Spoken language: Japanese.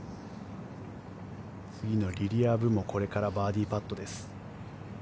次のリリア・ブも次がバーディーパットです。